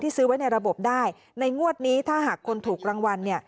ซื้อไว้ในระบบได้ในงวดนี้ถ้าหากคนถูกรางวัลเนี่ย